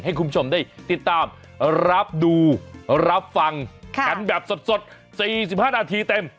ให้คุณผู้ชมได้ติดตามรับดูรับฟังกันแบบสด๔๕นาทีเต็ม